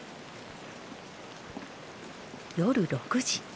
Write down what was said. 夜６時。